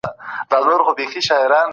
هره ورځ د سر مینځل زیان نه لري.